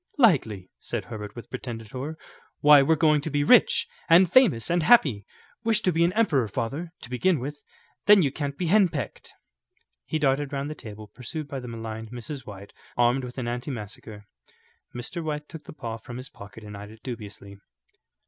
"Likely," said Herbert, with pretended horror. "Why, we're going to be rich, and famous and happy. Wish to be an emperor, father, to begin with; then you can't be henpecked." He darted round the table, pursued by the maligned Mrs. White armed with an antimacassar. Mr. White took the paw from his pocket and eyed it dubiously.